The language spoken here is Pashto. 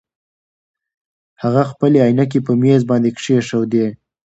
هغه خپلې عینکې په مېز باندې کېښودې.